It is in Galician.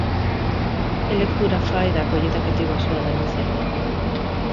Que lectura fai da acollida que tivo a súa denuncia?